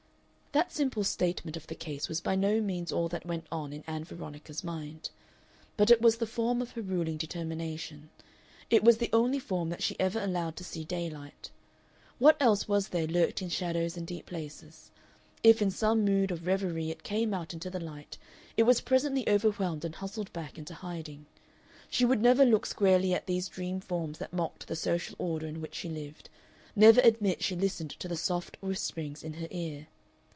That simple statement of the case was by no means all that went on in Ann Veronica's mind. But it was the form of her ruling determination; it was the only form that she ever allowed to see daylight. What else was there lurked in shadows and deep places; if in some mood of reverie it came out into the light, it was presently overwhelmed and hustled back again into hiding. She would never look squarely at these dream forms that mocked the social order in which she lived, never admit she listened to the soft whisperings in her ear.